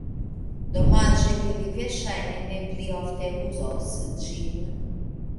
Domaĝe ke li verŝajne ne pli ofte uzos ĝin.